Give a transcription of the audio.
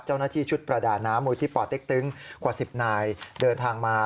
เจ้าหน้าที่ชุดประดาน้ำมูลที่ป่อเต็กตึงกว่า๑๐นายเดินทางมา